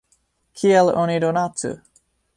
Kiel oni donacu?